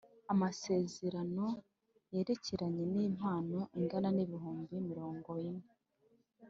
Amasezerano yerekeranye n’impano ingana n’ibihumbi mirongo ine